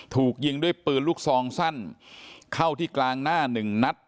ถูกยิงด้วยปืนลูกซองสั้นเข้าที่กลางหน้าหนึ่งนัด